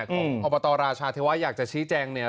ของอบตราชาเทวะอยากจะชี้แจงเนี่ย